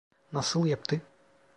Nasıl yaptı?